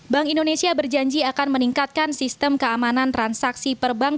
bank indonesia berjanji akan meningkatkan sistem keamanan transaksi perbankan